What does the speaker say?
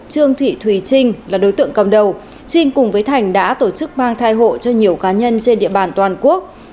trương thị thùy trinh là đối tượng cầm đầu trinh cùng với thành đã tổ chức mang thai hộ cho nhiều cá nhân trên địa bàn toàn quốc